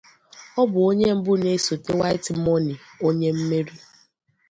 Ọ bu onye mbụ na esota Whitemoney onye mmeri.